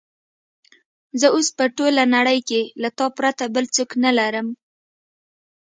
زه اوس په ټوله نړۍ کې له تا پرته بل څوک نه لرم.